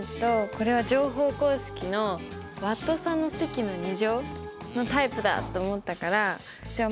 これは乗法公式の和と差の積の２乗のタイプだと思ったからじゃあ